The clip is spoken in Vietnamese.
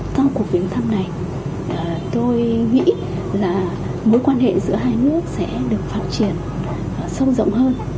sau cuộc viếng thăm này tôi nghĩ là mối quan hệ giữa hai nước sẽ được phát triển sâu rộng hơn